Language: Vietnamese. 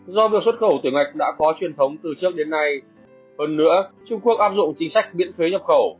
do việc xuất khẩu tiểu ngạch đã có truyền thống từ trước đến nay hơn nữa trung quốc áp dụng chính sách miễn thuế nhập khẩu